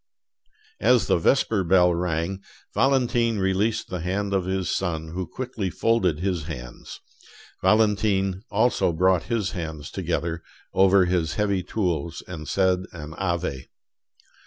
As the vesper bell rang, Valentine released the hand of his son, who quickly folded his hands; Valentine also brought his hands together over his heavy tools and said an Ave.